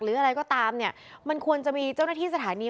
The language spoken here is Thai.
หรืออะไรก็ตามเนี่ยมันควรจะมีเจ้าหน้าที่สถานี